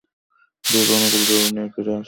দূত অনুকূল জবাব নিয়ে ফিরে আসে।